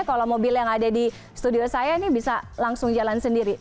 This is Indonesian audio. kalau mobil yang ada di studio saya ini bisa langsung jalan sendiri